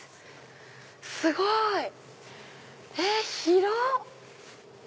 すごい！広っ！